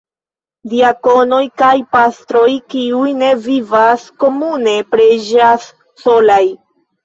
Diakonoj kaj pastroj, kiuj ne vivas komune, preĝas solaj.